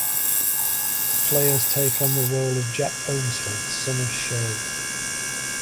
Players take on the role of Jak Ohmsford, son of Shea.